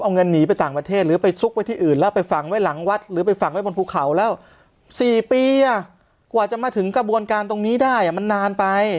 เอาเงินหนีไปต่างประเทศหรือไปซุกไว้ที่อื่นแล้วไปฝังไว้หลังวัดหรือไปฝังไว้บนภูเขาแล้ว๔ปีกว่าจะมาถึงกระบวนการตรงนี้ได้มันนานไป